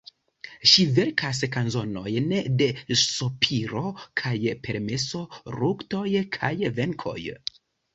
Ŝi verkas kanzonojn de sopiro kaj permeso, luktoj kaj venkoj.